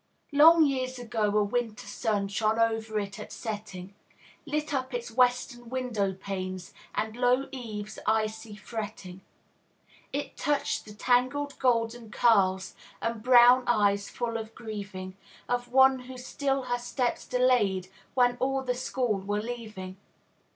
Long years ago a winter sun Shone over it at setting; Lit up its western window panes, And low eaves' icy fretting. It touched the tangled golden curls, And brown eyes full of grieving, Of one who still her steps delayed When all the school were leaving.